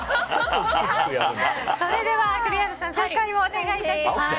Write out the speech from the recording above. それでは栗原さん正解をお願いいたします。